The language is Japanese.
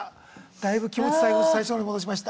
だいぶ気持ち最初に戻しました。